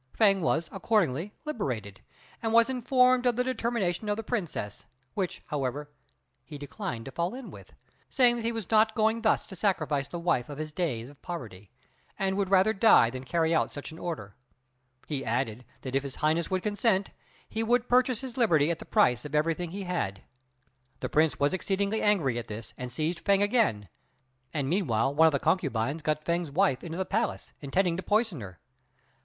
Fêng was accordingly liberated, and was informed of the determination of the Princess, which, however, he declined to fall in with, saying that he was not going thus to sacrifice the wife of his days of poverty, and would rather die than carry out such an order. He added that if His Highness would consent, he would purchase his liberty at the price of everything he had. The Prince was exceedingly angry at this, and seized Fêng again; and meanwhile one of the concubines got Fêng's wife into the palace, intending to poison her.